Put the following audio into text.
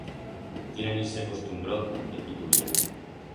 Tienen ixe costumbrot de pituliar.